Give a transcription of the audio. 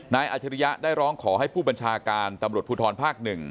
อาจริยะได้ร้องขอให้ผู้บัญชาการตำรวจภูทรภาค๑